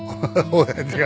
親父が。